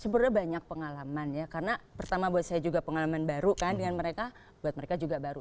sebenarnya banyak pengalaman ya karena pertama buat saya juga pengalaman baru kan dengan mereka buat mereka juga baru